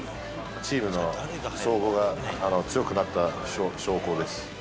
チームの総合が強くなった証拠です。